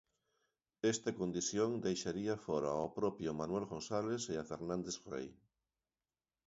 Esta condición deixaría fóra ao propio Manuel González e a Fernández Rei.